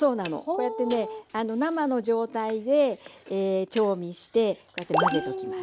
こうやってね生の状態で調味してこうやって混ぜておきます。